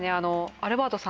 アルバートさん